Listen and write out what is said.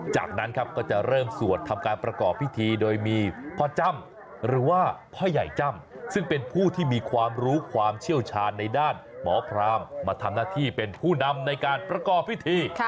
จากนั้นครับก็จะเริ่มสวดทำการประกอบพิธีโดยมีพ่อจ้ำหรือว่าพ่อใหญ่จ้ำซึ่งเป็นผู้ที่มีความรู้ความเชี่ยวชาญในด้านหมอพรามมาทำหน้าที่เป็นผู้นำในการประกอบพิธี